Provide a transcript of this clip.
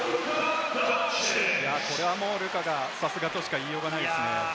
これはルカがさすがとしか言いようがないですね。